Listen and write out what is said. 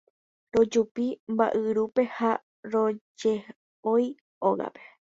rojupi mba'yrúpe ha roje'ói ógape.